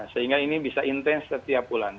sehingga ini bisa intens setiap bulan